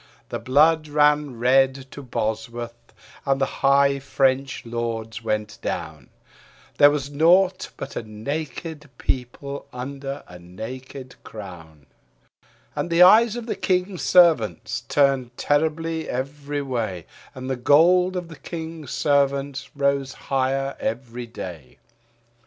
The blood ran red to Bosworth and the high French lords went down; There was naught but a naked people under a naked crown. And the eyes of the King's Servants turned terribly every way, And the gold of the King's Servants rose higher every day.